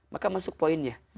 maka masuk poinnya